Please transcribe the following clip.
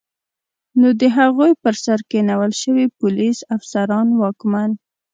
نو د هغوی پر سر کینول شوي پولیس، افسران، واکمن